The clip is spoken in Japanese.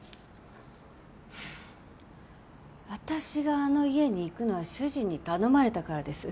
私があの家に行くのは主人に頼まれたからです。